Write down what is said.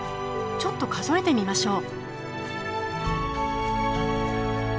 ちょっと数えてみましょう。